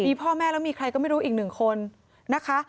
มีพ่อแม่แล้วมีใครก็ไม่รู้อีกหนึ่งคนนะคะ